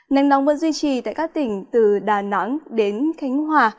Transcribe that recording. nắng nóng vẫn duy trì tại các tỉnh từ đà nẵng đến khánh hòa